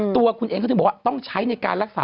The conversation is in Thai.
ตัวคุณเองเขาถึงบอกว่าต้องใช้ในการรักษา